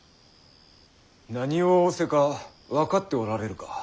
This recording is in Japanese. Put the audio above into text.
何を仰せか分かっておられるか？